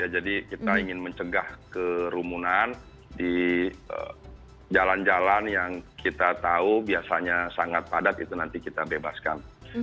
jadi kita ingin mencegah kerumunan di jalan jalan yang kita tahu biasanya sangat padat itu nanti kita bebaskan